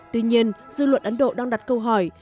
tuy nhiên dư luận ấn độ đang đặt câu hỏi